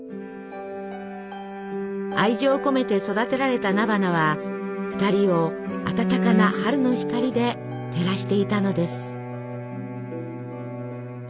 愛情込めて育てられた菜花は２人を暖かな春の光で照らしていたのです。